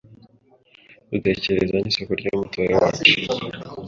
Dutekereza n’isoko ry’umutobe wacu